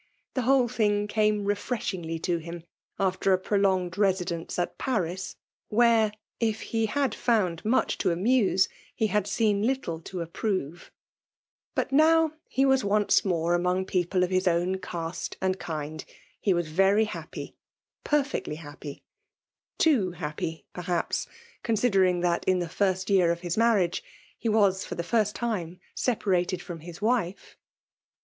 The whole thing came refireshin^y to him after a prolonged residence at Paris; where* if he had found much to amuse, he had seen little to apfxrova But now, he was once more ^'■^^"^S people of his own caste and kind, he was very hiqppy — ^perfi^ctly happy — too happy perihapsy considering that in the irst year of Us marriage* he was for the first time sepa rated firom his wife.